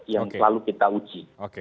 yang selalu kita uji